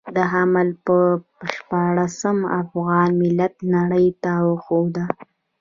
د حمل پر شپاړلسمه افغان ملت نړۍ ته وښوده.